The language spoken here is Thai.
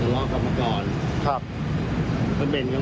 พี่อุ๋ยพ่อจะบอกว่าพ่อจะรับผิดแทนลูก